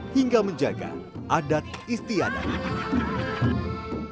hingga menjaga adat istiadat